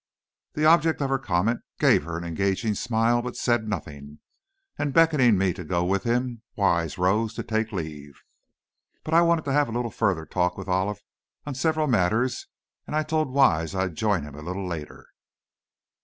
The object of her comment gave her an engaging smile, but said nothing, and beckoning me to go with him, Wise rose to take leave. But I wanted to have a little further talk with Olive on several matters and I told Wise I'd join him a little later.